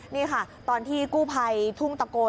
นี่ค่ะตอนที่กู้ภัยทุ่งตะโกน